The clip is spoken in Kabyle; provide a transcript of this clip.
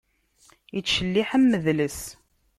Ittcelliḥ am udles.